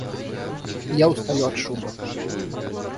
Я устаю от шума.